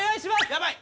やばい！